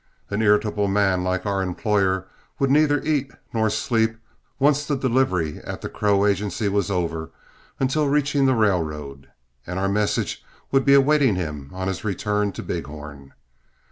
An irritable man like our employer would neither eat nor sleep, once the delivery at the Crow Agency was over, until reaching the railroad, and our message would be awaiting him on his return to Big Horn.